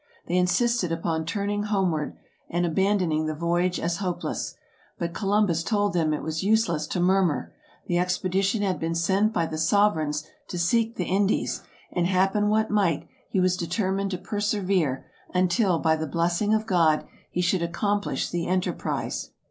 They insisted upon turning homeward, and abandoning the voy age as hopeless, but Columbus told them it was useless to murmur ; the expedition had been sent by the sovereigns to seek the Indies, and happen what might, he was determined to persevere, until, by the blessing of God, he should ac complish the enterprise.